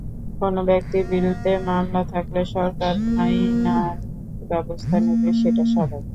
কোনো ব্যক্তির বিরুদ্ধে মামলা থাকলে সরকার আইনানুগ ব্যবস্থা নেবে, সেটা স্বাভাবিক।